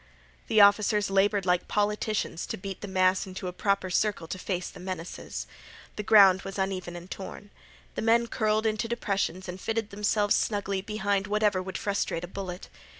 The officers labored like politicians to beat the mass into a proper circle to face the menaces. The ground was uneven and torn. The men curled into depressions and fitted themselves snugly behind whatever would frustrate a bullet.